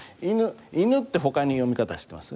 「いぬ」ってほかに読み方知ってます？